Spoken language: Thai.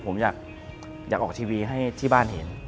ผมอยากออกทีวีให้ที่บ้านเห็น